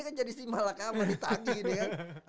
kan jadi simbalan kamu ditagi gitu kan